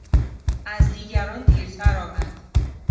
از دیگران دیرتر آمد.